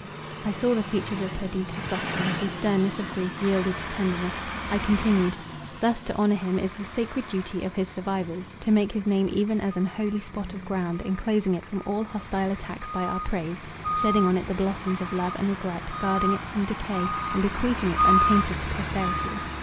I saw the features of Perdita soften; the sternness of grief yielded to tenderness—I continued:—"Thus to honour him, is the sacred duty of his survivors. To make his name even as an holy spot of ground, enclosing it from all hostile attacks by our praise, shedding on it the blossoms of love and regret, guarding it from decay, and bequeathing it untainted to posterity.